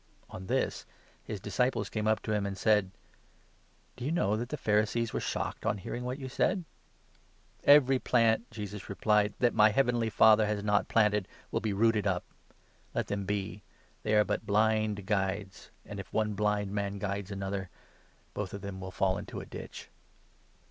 " On this his disciples came up to him, and said :" Do you know that the Pharisees were shocked on hearing what you said ?"" Every plant," Jesus replied, "that my heavenly Father has not planted will be rooted up. Let them be ; they are but blind guides ; and, if one blind man guides another, both of them will fall into a ditch."